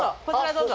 どうぞ。